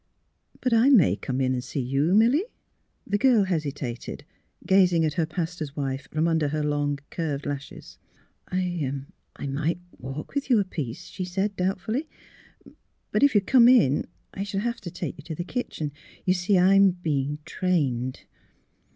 '^ But I may come in and see you, Milly? " The girl hesitated, gazing at her pastor's wife from under her long, curved lashes. *' I — I might walk with you a piece, '' she said, doubtfully. '^ But if you come in I should have to take you to the kitchen. You see I'm being — trained."